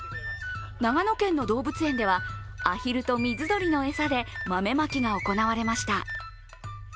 長野県の動物園ではアヒルと水鳥の餌で豆まきが行われました。